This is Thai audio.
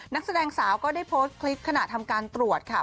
นักแสดงสาวก็ได้โพสต์คลิปขณะทำการตรวจค่ะ